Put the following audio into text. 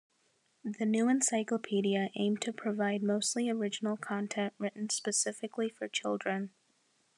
The new encyclopedia aimed to provide mostly original content written specifically for children.